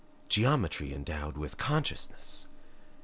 Geometry endowed with consciousness!